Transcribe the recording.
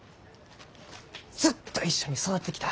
ずっと一緒に育ってきた。